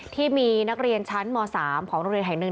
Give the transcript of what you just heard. ที่มีนักเรียนชั้นม๓ของโรงเรียนแห่งหนึ่ง